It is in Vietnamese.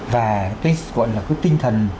và tôi gọi là cái tinh thần